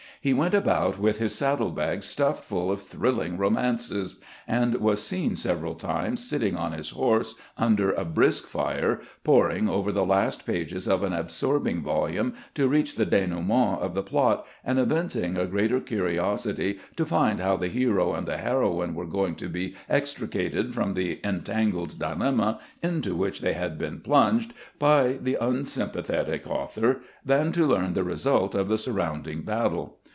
He went about with his saddle bags stuffed full of thrill ing romances, and was seen several times sitting on his horse under a brisk fire, poring over the last pages of an absorbing volume to reach the denouement of the plot, and evincing a greater curiosity to find how the hero and the heroine were going to be extricated from the entangled dilemma into which they had been plunged by the unsympathetic author than to learn the result of the surrounding battle.